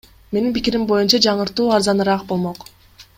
Менин пикирим боюнча, жаңыртуу арзаныраак болмок.